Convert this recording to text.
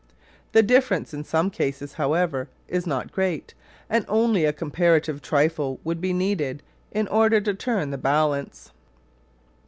The difference in some cases, however, is not great; and only a comparative trifle would be needed in order to turn the balance.